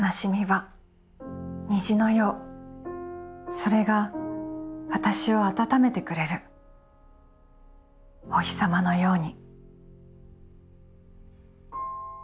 「それがわたしをあたためてくれるおひさまのように」。